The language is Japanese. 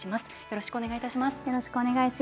よろしくお願いします。